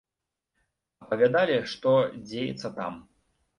Апавядалі, што дзеецца там.